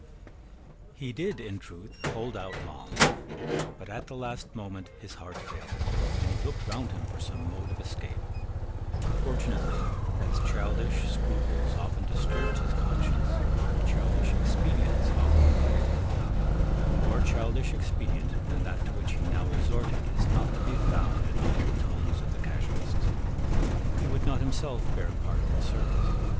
He did in truth hold out long. But at the last moment his heart failed him, and he looked round him for some mode of escape. Fortunately, as childish scruples often disturbed his conscience, childish expedients often quieted it. A more childish expedient than that to which he now resorted is not to be found in all the tones of the casuists. He would not himself bear a part in the service.